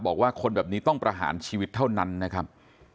บอกว่าคนแบบนี้ต้องประหารชีวิตเท่านั้นนะครับ